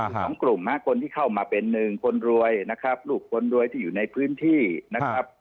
สองกลุ่มนะคนที่เข้ามาเป็นหนึ่งคนรวยนะครับลูกคนรวยที่อยู่ในพื้นที่นะครับ